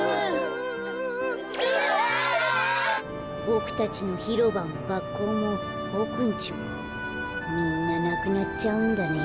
ボクたちのひろばもがっこうもボクんちもみんななくなっちゃうんだね。